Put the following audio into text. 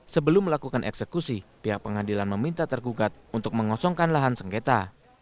sebelum melakukan eksekusi pihak pengadilan meminta tergugat untuk mengosongkan lahan sengketa